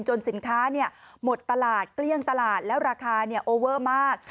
สินค้าหมดตลาดเกลี้ยงตลาดแล้วราคาโอเวอร์มาก